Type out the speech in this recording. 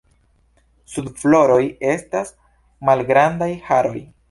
Sub floroj estas malgrandaj haroj.